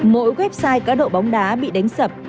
mỗi website cá độ bóng đá bị đánh sập